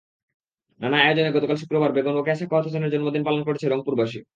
নানা আয়োজনে গতকাল শুক্রবার বেগম রোকেয়া সাখাওয়াত হোসেনের জন্মদিন পালন করেছে রংপুরবাসী।